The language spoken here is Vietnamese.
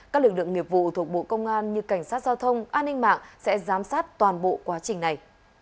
các lực lượng nghiệp vụ thuộc bộ công an như cảnh sát giao thông an ninh mạng sẽ giám sát toàn bộ quá trình này